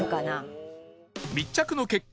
密着の結果